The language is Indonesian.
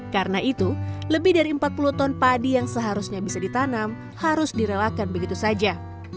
karena itu lebih dari empat puluh ton padi yang seharusnya bisa ditanam harus direlakan begitu saja